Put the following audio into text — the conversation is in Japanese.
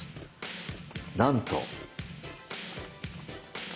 なんと。